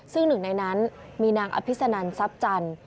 ซึ่งหนึ่งในนั้นมีนางอภิษนันทรัพย์จันทร์